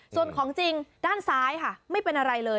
ส่วนของจริงด้านซ้ายค่ะไม่เป็นอะไรเลย